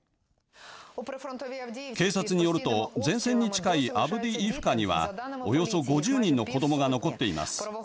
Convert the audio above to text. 警察によると前線に近いアブディイフカにはおよそ５０人の子どもが残っています。